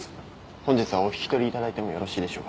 本日はお引き取りいただいてもよろしいでしょうか？